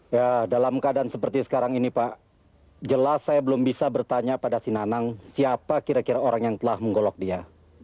ya dalam keadaan seperti sekarang ini pak jelas saya belum bisa bertanya pada si nanang siapa kira kira orang yang telah menggolok dia